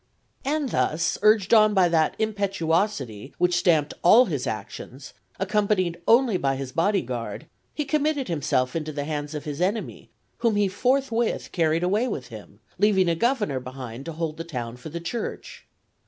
And thus, urged on by that impetuosity which stamped all his actions, accompanied only by his body guard, he committed himself into the hands of his enemy, whom he forthwith carried away with him, leaving a governor behind to hold the town for the Church.